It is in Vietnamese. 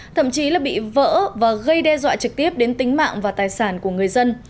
thậm chí là bị vỡ và gây đe dọa trực tiếp đến tính mạng và tài sản của người dân